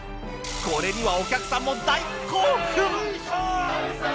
これにはお客さんも大興奮！！